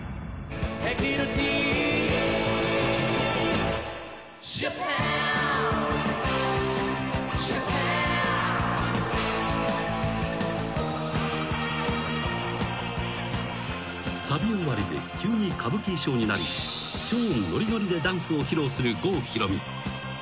「エキゾチック・ジャパン」「ジャパン」［さび終わりで急に歌舞伎衣装になり超ノリノリでダンスを披露する郷ひろみ］